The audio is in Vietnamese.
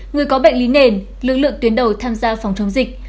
người có bệnh lý nền lực lượng tuyến đầu tham gia phòng chống dịch